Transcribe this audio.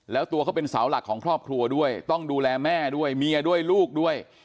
แล้วตัวเขาเป็นเสาหลักของครอบครัวด้วยต้องดูแลแม่ด้วยเมียด้วยลูกด้วย